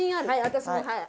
私もはい。